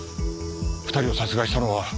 ２人を殺害したのは。